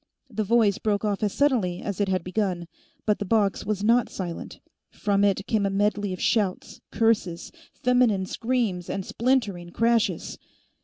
_" The voice broke off as suddenly as it had begun, but the box was not silent. From it came a medley of shouts, curses, feminine screams and splintering crashes.